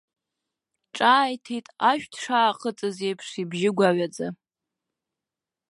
Ҿааиҭит ашә дшаахыҵыз еиԥш ибжьы гәаҩаӡа.